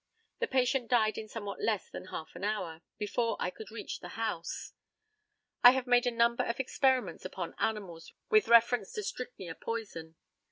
The patient died in somewhat less than half an hour, before I could reach the house. I have made a number of experiments upon animals with reference to strychnia poison.